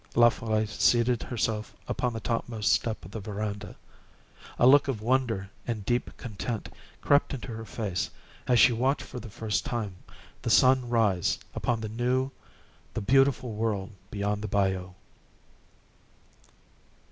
La Folle seated herself upon the topmost step of the veranda. A look of wonder and deep content crept into her face as she watched for the first time the sun rise upon the new, the beautiful world beyond the bayou.